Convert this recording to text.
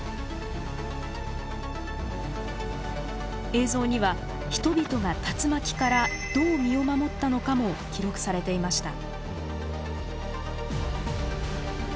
映像には人々が竜巻からどう身を守ったのかも記録されていました。